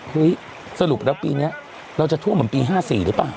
สรุปแล้วปีนี้เราจะท่วมเหมือนปี๕๔หรือเปล่า